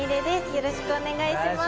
よろしくお願いします。